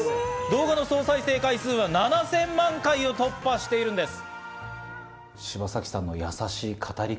動画の総再生回数は７０００万回を突破しているんです。